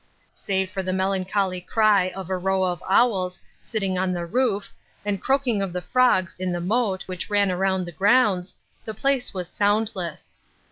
Save for the melancholy cry of a row of owls sitting on the roof, and croaking of the frogs in the moat which ran around the grounds, the place was soundless.